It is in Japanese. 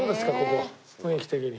ここ雰囲気的に。